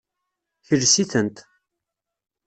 Kles-itent.